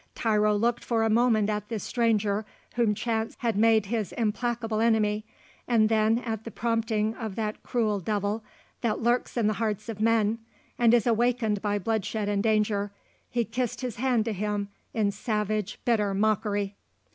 Tiro looked for a moment at this stranger whom chance had made his implacable enemy, and then, at the prompting of that cruel devil that lurks in the hearts of men and is awakened by bloodshed and danger, he kissed his hand to him in savage, bitter mockery.